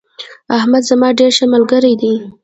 احمد زما ډیر ښه ملگرى دي